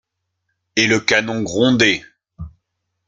Et le canon grondait.